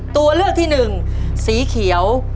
ตัวเลือกที่หนึ่งสีเขียว